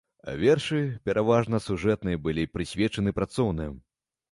Вершы, пераважна сюжэтныя былі прысвечаны працоўным.